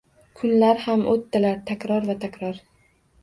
Kunlar ham o‘tdilar takror va takror